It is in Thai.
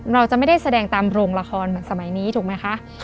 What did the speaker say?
เราจะไม่ได้แสดงตามโรงละครเหมือนสมัยนี้ถูกไหมคะ